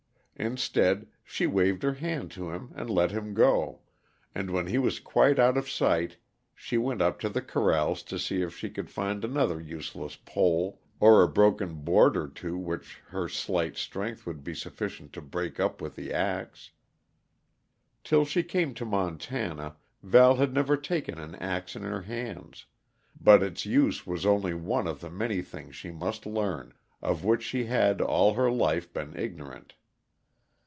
Instead, she waved her hand to him and let him go; and when he was quite out of sight she went up to the corrals to see if she could find another useless pole, or a broken board or two which her slight strength would be sufficient to break up with the axe. Till she came to Montana, Val had never taken an axe in her hands; but its use was only one of the many things she must learn, of which she had all her life been ignorant.